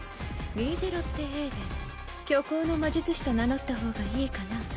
リーゼロッテ＝エーデン虚構の魔術師と名乗った方がいいかな？